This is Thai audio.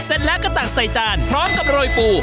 เสร็จแล้วก็ตักใส่จานพร้อมกับโรยปู